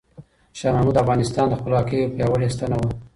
شاه محمود د افغانستان د خپلواکۍ یو پیاوړی ستنه وه.